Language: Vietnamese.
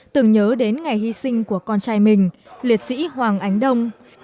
tưởng nhớ đến ngày hy sinh của con trai mình liệt sĩ hoàng ánh đông